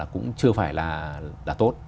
cũng chưa phải là tốt